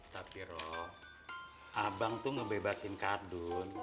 tapi rob abang tuh ngebebasin khadun